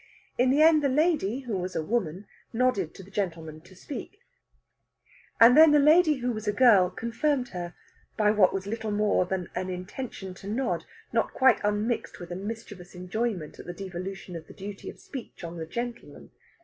In the end the lady who was a woman nodded to the gentleman to speak, and then the lady who was a girl confirmed her by what was little more than an intention to nod, not quite unmixed with a mischievous enjoyment at the devolution of the duty of speech on the gentleman.